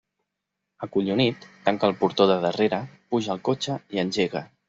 Acollonit, tanca el portó de darrere, puja al cotxe i engega.